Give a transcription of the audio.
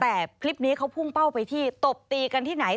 แต่คลิปนี้เขาพุ่งเป้าไปที่ตบตีกันที่ไหน